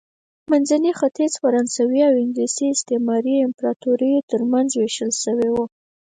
منځنی ختیځ د فرانسوي او انګلیس استعماري امپراتوریو ترمنځ ووېشل شو.